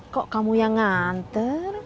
kok kamu yang nganter